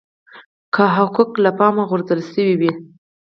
که حقوق له پامه غورځول شوي وي.